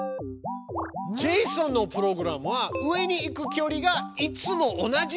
ジェイソンのプログラムは上に行く距離がいつも同じでした。